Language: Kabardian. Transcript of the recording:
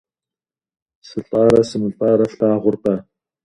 СылӀарэ сымылӀарэ флъагъуркъэ?